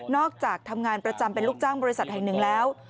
จากทำงานประจำเป็นลูกจ้างบริษัทแห่งหนึ่งแล้ว